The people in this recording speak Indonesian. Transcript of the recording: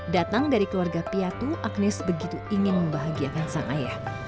datang dari keluarga piatu agnes begitu ingin membahagiakan sang ayah